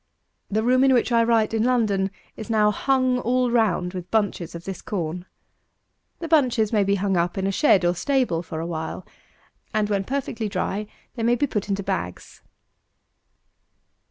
The room in which I write in London is now hung all round with bunches of this corn. The bunches may be hung up in a shed or stable for a while, and, when perfectly dry, they may be put into bags.